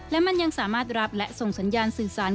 และมันยังสามารถรับและส่งสัญญาณสื่อสาร